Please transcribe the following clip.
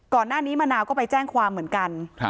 ก่อนหน้านี้มะนาวก็ไปแจ้งความเหมือนกัน